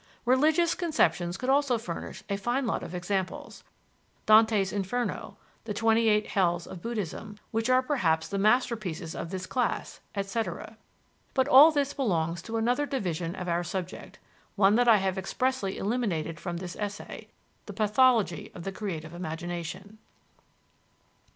Religious conceptions could also furnish a fine lot of examples: Dante's Inferno, the twenty eight hells of Buddhism, which are perhaps the masterpieces of this class, etc. But all this belongs to another division of our subject, one that I have expressly eliminated from this essay the pathology of the creative imagination.